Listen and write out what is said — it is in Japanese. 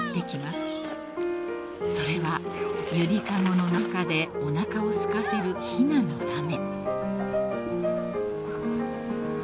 ［それは揺り籠の中でおなかをすかせるひなのため］